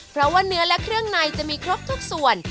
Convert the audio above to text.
เพราะว่าเนื้อและเครื่องในจะมีครบทุกส่วน